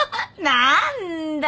何だ。